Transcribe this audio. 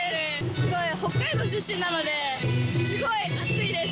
すごい、北海道出身なので、すごい暑いです。